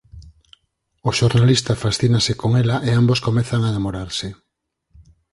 O xornalista fascínase con ela e ambos comezan a namorarse.